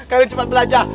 kalian cepat belajar